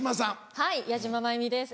はい矢島舞美です。